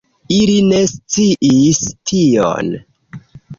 Ili ne sciis tion.